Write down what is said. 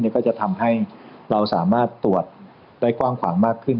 ก็จะทำให้เราสามารถตรวจได้กว้างขวางมากขึ้น